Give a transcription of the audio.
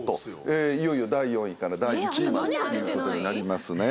いよいよ第４位から第１位までということになりますね。